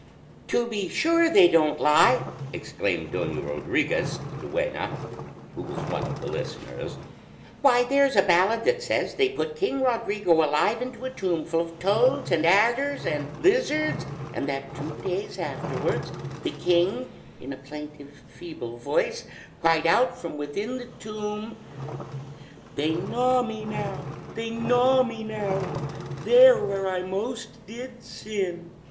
"To be sure they don't lie!" exclaimed Doña Rodriguez, the duenna, who was one of the listeners. "Why, there's a ballad that says they put King Rodrigo alive into a tomb full of toads and adders and lizards, and that two days afterwards the king, in a plaintive, feeble voice, cried out from within the tomb 'They gnaw me now, they gnaw me now, There where I most did sin.'